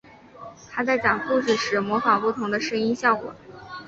他在讲故事时模仿不同的声音效果。